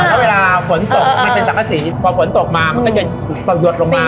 แล้วเวลาฝนตกมันเป็นสังกษีพอฝนตกมามันก็จะหยดลงมา